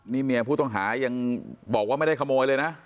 นี่เมียผู้ต้องหายังบอกว่าไม่ได้ขโมยเลยนะ